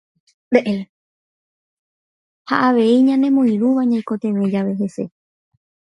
Ha avei ñanemoirũva ñaikotevẽ jave hese.